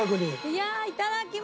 いやいただきます！